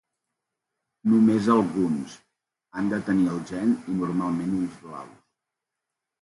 Només alguns, han de tenir el gen i normalment ulls blaus